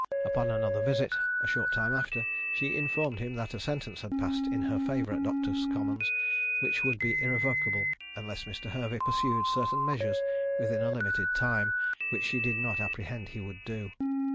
Upon another visit, a short time after, she informed him that a sentence had passed in her favour at Doctors' Commons, which would be irrevocable unless Mr. Hervey pursued certain measures within a limited time, which she did not apprehend he would do.